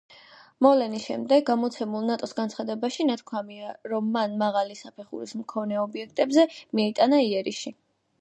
მოვლენის შემდეგ გამოცემულ ნატოს განცხადებაში ნათქვამია, რომ მან მაღალი საფრთხის მქონე ობიექტებზე მიიტანა იერიში.